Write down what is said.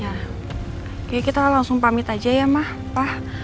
kayaknya kita langsung pamit aja ya ma pa